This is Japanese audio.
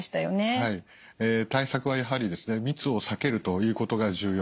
はい対策はやはりですね密を避けるということが重要。